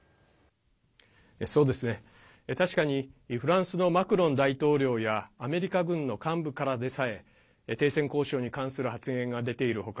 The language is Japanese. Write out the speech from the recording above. そうですね、確かにフランスのマクロン大統領やアメリカ軍の幹部からでさえ停戦交渉に関する発言が出ている他